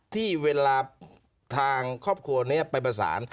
ที่เวลาทางครอบครัวนี้ไปประสาน